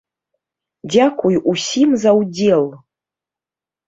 Дзякуй усім за ўдзел!